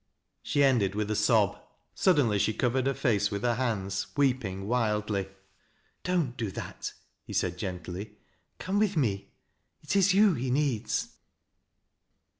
She ended with a sob. Suddenly she covered her face vith her han^s, weeping wildly. " Don't do that," he said, gently. " Come with me. It if you he needs."